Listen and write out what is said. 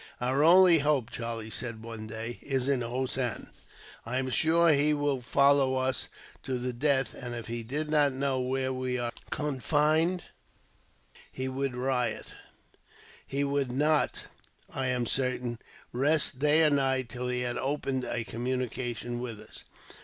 "Our only hope," Charlie said one day, "is in Hossein. I am sure he will follow us to the death; and if he did but know where we are confined, he would not, I am certain, rest day or night, till he had opened a communication with us.